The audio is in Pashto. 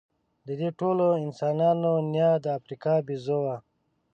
د دې ټولو انسانانو نیا د افریقا بیزو وه.